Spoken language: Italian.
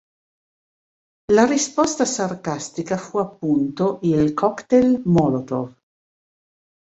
La risposta sarcastica fu appunto il "cocktail Molotov".